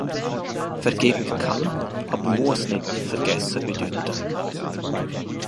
Vergebung kann, aber muss nicht Vergessen bedeuten.